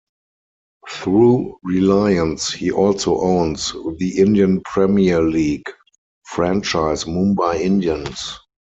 Through Reliance, he also owns the Indian Premier League franchise Mumbai Indians.